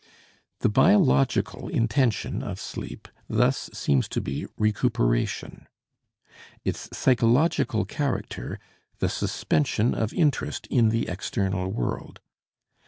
The biological intention of sleep thus seems to be recuperation; its psychological character, the suspension of interest in the external world.